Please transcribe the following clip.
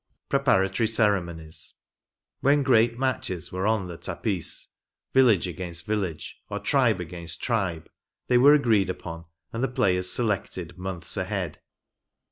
PREPARATORY CEREMONIES. When great matches were on the tapis, village against village, or tribe against tribe, they were agreed upon and the players selected months ahead.